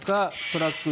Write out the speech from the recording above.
トラック